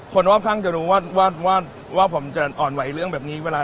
คนวอบครั้งจะรู้ว่าว่าว่าไปอ่อนไหวเรื่องแบบนี้